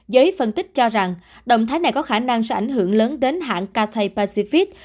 giới phân tích cho rằng động thái này có khả năng sẽ ảnh hưởng lớn đến hãng katay pacific